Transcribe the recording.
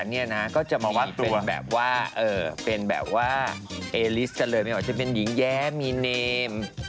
เอลิสก็เลยไม่รู้ว่าจะเป็นหญิงแย้มมีเนม